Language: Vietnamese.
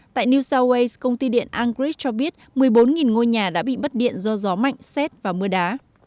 tại new south wales công ty điện angres cho biết một mươi bốn ngôi nhà đã bị mất điện do gió mạnh xét và mưa đá